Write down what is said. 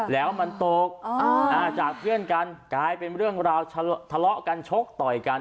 แล้วมันตกจากเพื่อนกันกลายเป็นเรื่องราวทะเลาะกันชกต่อยกัน